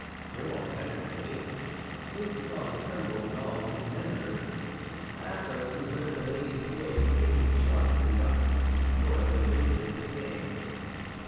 Grimaud hesitated. Mousqueton trembled in all his members. Athos, who heard Milady's voice, came sharply up. Lord de Winter did the same.